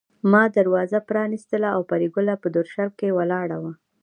ما دروازه پرانيستله او پري ګله په درشل کې ولاړه وه